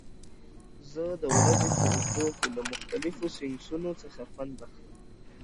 زه د ورځې په اوږدو کې له مختلفو سنکسونو څخه خوند اخلم.